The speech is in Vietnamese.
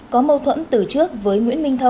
có mâu thuẫn từ trước với nguyễn minh tho